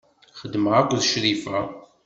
Xeddmeɣ akked Crifa.